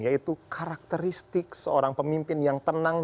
yaitu karakteristik seorang pemimpin yang tenang